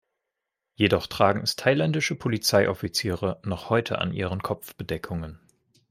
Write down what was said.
Jedoch tragen es thailändische Polizei-Offiziere noch heute an ihren Kopfbedeckungen.